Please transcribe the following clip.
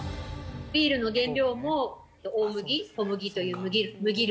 ビールの原料も大麦、小麦という麦類。